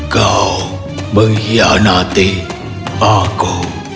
kau mengkhianati aku